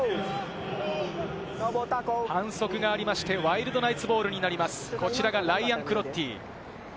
反則がありまして、ワイルドナイツボールになります、こちらがライアン・クロッティ。